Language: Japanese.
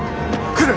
来る！